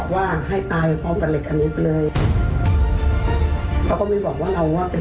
ว่าทำไมคุณไม่กลับมาหาผม